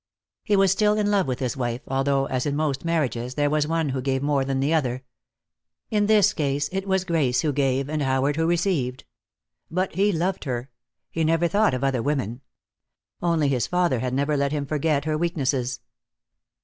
He was still in love with his wife, although, as in most marriages, there was one who gave more than the other. In this case it was Grace who gave, and Howard who received. But he loved her. He never thought of other women. Only his father had never let him forget her weaknesses.